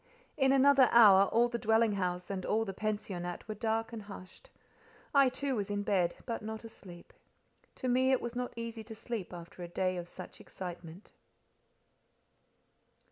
In another hour all the dwelling house, and all the pensionnat, were dark and hushed. I too was in bed, but not asleep. To me it was not easy to sleep after a day of such excitement.